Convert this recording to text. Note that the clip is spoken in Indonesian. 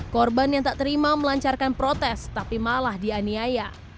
korban yang tak terima melancarkan protes tapi malah dianiaya